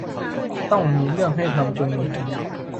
ต้องมีเรื่องให้ทำจนเหนื่อย